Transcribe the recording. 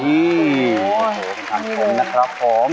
ขอบคุณนะครับผม